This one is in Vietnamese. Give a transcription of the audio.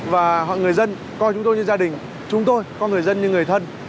và mọi người dân coi chúng tôi như gia đình chúng tôi coi người dân như người thân